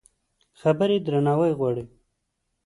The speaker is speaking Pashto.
خبرې درناوی غواړي.